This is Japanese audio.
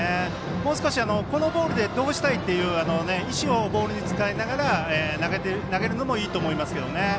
もう少し、このボールでどうしたいという意思をボールに伝えながら投げるのもいいと思いますけどね。